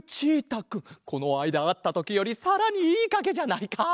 このあいだあったときよりさらにいいかげじゃないか！